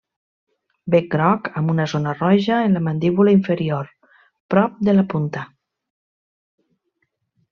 Bec groc amb una zona roja en la mandíbula inferior, prop de la punta.